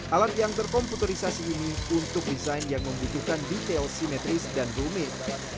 alat yang terkomputerisasi ini untuk desain yang membutuhkan detail simetris dan rumit